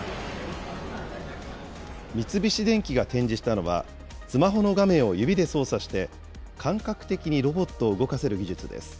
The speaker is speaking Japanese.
三菱電機が展示したのは、スマホの画面を指で操作して、感覚的にロボットを動かせる技術です。